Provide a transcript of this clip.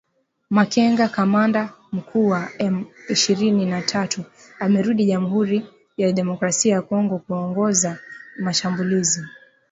Makenga kamanda mkuu wa M ishirini na tatu amerudi Jamuhuri ya Demokrasia ya Kongo kuongoza mashambulizi